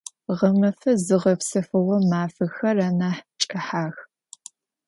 Ğemefe zığepsefığo mafexer anah ç'ıhex.